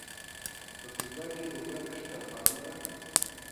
په کوزه کې اوبه نشته، خالي ده.